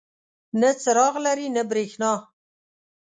نه څراغ لري نه بریښنا.